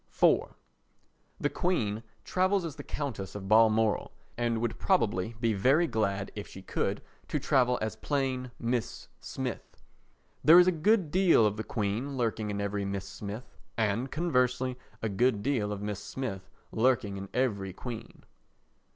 iv The Queen travels as the Countess of Balmoral and would probably be very glad, if she could, to travel as plain Mrs. Smith. There is a good deal of the Queen lurking in every Mrs. Smith and, conversely, a good deal of Mrs. Smith lurking in every queen.